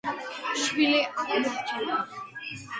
შვილი არ დარჩენია.